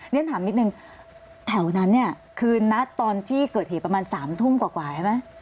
เรียนถามนิดนึงแถวนั้นเนี่ยคือนัดตอนที่เกิดเหตุประมาณ๓ทุ่มกว่าใช่ไหม